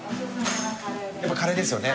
やっぱカレーですよね。